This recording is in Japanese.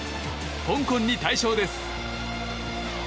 香港に大勝です。